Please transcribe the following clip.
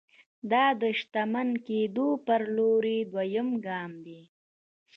دا د شتمن کېدو پر لور دويم ګام دی.